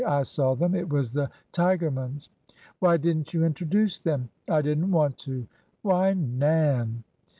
"I saw them. It was the Tigermans." " Why did n't you introduce them? "" I did n't want to." " Why, Nan!